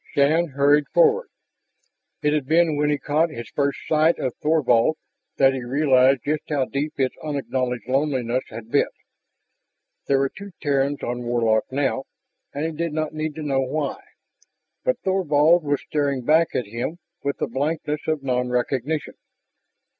Shann hurried forward. It had been when he caught his first sight of Thorvald that he realized just how deep his unacknowledged loneliness had bit. There were two Terrans on Warlock now, and he did not need to know why. But Thorvald was staring back at him with the blankness of non recognition.